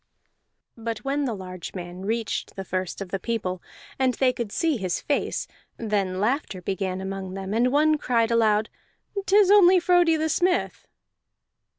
But when the large man reached the first of the people, and they could see his face, then laughter began among them, and one cried aloud, "'Tis only Frodi the Smith!"